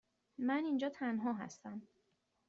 من اینجا تنها هستم.